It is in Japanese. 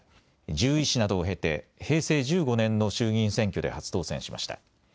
獣医師などを経て平成１５年の衆議院選挙で初当選しました。